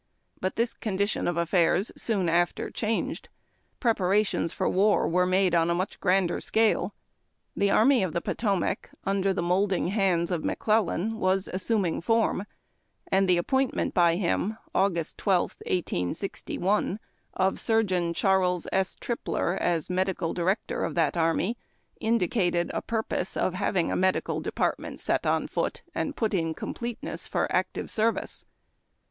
But this ( (MMliiion of affairs soon after changed. Prepara tions for Will wci'o made on a grander scale. The Army of the Potomac, iiinler the moulding liauds of McClellan, was iissuming fVnni. and the appointment by him, Aug. 12, 1861, of Surgeon ("Imiies 8. Tri[)ler as medical director of that army indicucd ;i, purpose of liaving a medical department set on fool :in«l put in completeness for active service.